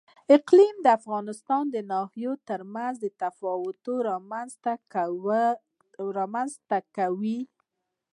اقلیم د افغانستان د ناحیو ترمنځ تفاوتونه رامنځ ته کوي.